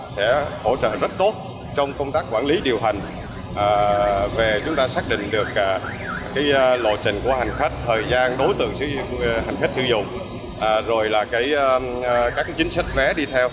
sẽ hỗ trợ rất tốt trong công tác quản lý điều hành về chúng ta xác định được lộ trình của hành khách thời gian đối tượng sử dụng hành khách sử dụng rồi là các chính sách vé đi theo